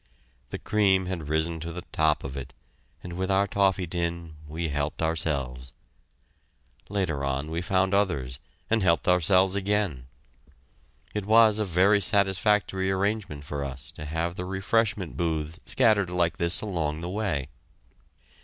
The cream had risen to the top of it, and with our toffee tin we helped ourselves. Later on, we found others, and helped ourselves again. It was a very satisfactory arrangement for us to have the refreshment booths scattered like this along the way.